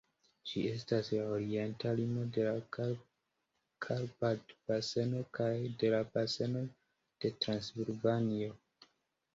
Ĝi estas la orienta limo de la Karpat-baseno kaj de la Baseno de Transilvanio.